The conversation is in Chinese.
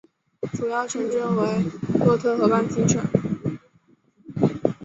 主要城镇为洛特河畔新城。